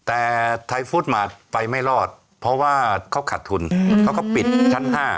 แต่ทายฟู้ดมาตรไปไม่รอดเพราะว่าเขาขัดทุนเขาก็ปิดชั้นห้า